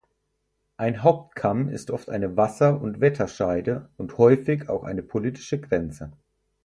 Ein Hauptkamm ist oft eine Wasser- und Wetterscheide und häufig auch eine politische Grenze.